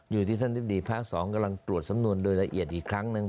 อยู่ที่ท่านทิบดีภาค๒กำลังตรวจสำนวนโดยละเอียดอีกครั้งหนึ่ง